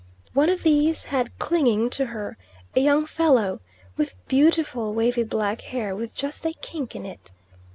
One of these had clinging to her a young fellow, with beautiful wavy black hair with just a kink in it.